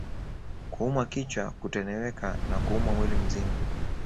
Kuumwa kichwa kutetemeka na kuumwa mwili mzima